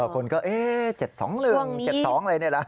คนก็เอ๊ะ๗๒๑๗๒อะไรนี่แหละ